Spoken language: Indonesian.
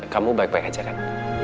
kamu baik baik aja kan